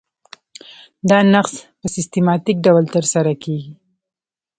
دا نقض په سیستماتیک ډول ترسره کیږي.